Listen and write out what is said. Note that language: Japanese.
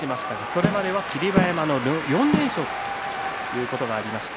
それまでは霧馬山の４連勝ということがありました。